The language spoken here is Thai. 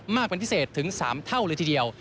มากเป็นพิเศษถึง๓เท่าเลยทีเดียว